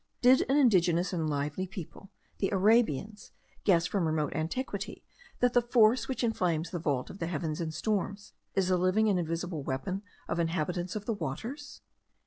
Did an ingenious and lively people, the Arabians, guess from remote antiquity, that the same force which inflames the vault of Heaven in storms, is the living and invisible weapon of inhabitants of the waters?